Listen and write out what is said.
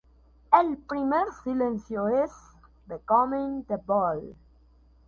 El primer sencillo es "Becoming the Bull".